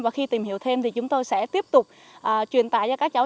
và khi tìm hiểu thêm thì chúng tôi sẽ tiếp tục truyền tải cho các cháu